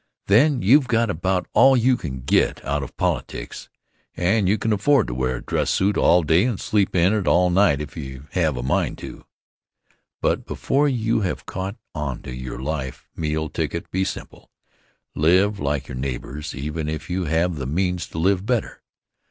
Then you've got about all you can get out of politics, and you can afford to wear a dress suit all day and sleep in it all night if you have a mind to. But, before you have caught onto your life meal ticket, be simple. Live like your neighbors even if you have the means to live better.